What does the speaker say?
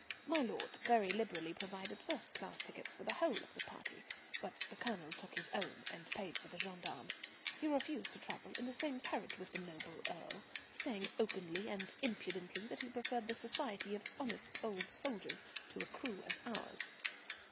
My lord very liberally provided first class tickets for the whole of the party, but the Colonel took his own and paid for the gendarmes. He refused to travel in the same carriage with the noble Earl, saying openly and impudently that he preferred the society of honest old soldiers to such a crew as ours.